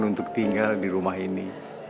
untuk tinggal di rumah ini